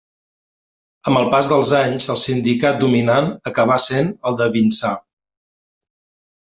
Amb el pas dels anys, el sindicat dominant acabà sent el de Vinçà.